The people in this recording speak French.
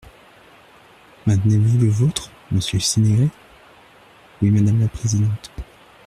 Maintenez-vous le vôtre, monsieur Cinieri ? Oui, madame la présidente.